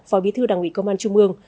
phó bí thư đảng ủy công an trung ương